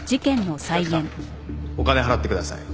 お客さんお金払ってください。